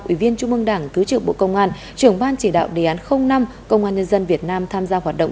ủy viên trung mương đảng thứ trưởng bộ công an trưởng ban chỉ đạo đề án năm công an nhân dân việt nam tham gia hoạt động